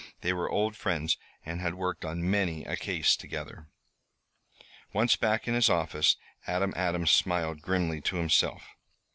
They were old friends and had worked on many a case together. Once back in his office Adam Adams smiled grimly to himself.